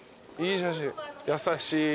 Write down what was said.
優しい。